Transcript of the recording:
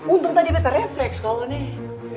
untung tadi bete refleks kalo nih